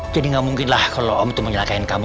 jadi gak mungkin lah kalau om tuh nyalakan kamu